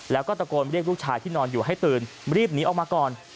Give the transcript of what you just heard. แล้วก็ตะโกนเรียกลูกชายที่นอนอยู่ให้ตื่นรีบหนีออกมาก่อน